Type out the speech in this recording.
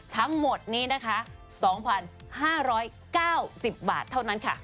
ทั้งหมดนี้นะคะ๒๕๙๐บาทเท่านั้นค่ะ